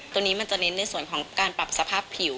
ตัวนี้มันจะเน้นในส่วนของการปรับสภาพผิว